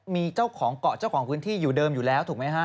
มีเจ้าของเกาะเจ้าของพื้นที่อยู่เดิมอยู่แล้วถูกไหมฮะ